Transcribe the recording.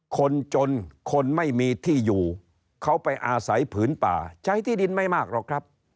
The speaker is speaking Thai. คนจนคนไม่มีที่อยู่เขาไปอาศัยผืนป่าใช้ที่ดินไม่มากหรอกครับ